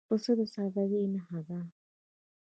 پسه د سادګۍ نښه ده.